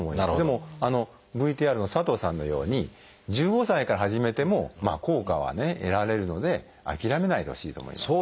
でもＶＴＲの佐藤さんのように１５歳から始めても効果は得られるので諦めないでほしいと思います。